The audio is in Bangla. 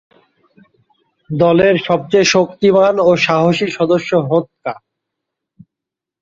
দলের সবচেয়ে শক্তিমান ও সাহসী সদস্য হোঁতকা।